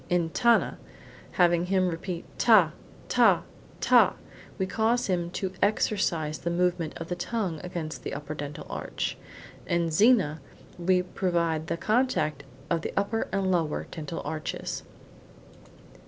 In tana, having him repeat ta, ta, ta, we cause him to exercise the movement of the tongue against the upper dental arch. In zina, we provoke the contact of the upper and lower dental arches.